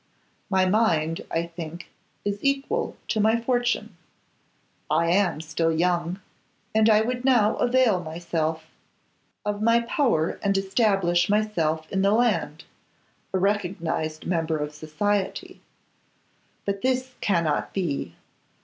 My mind, I think, is equal to my fortune; I am still young, and I would now avail myself of my power and establish myself in the land, a recognised member of society. But this cannot be.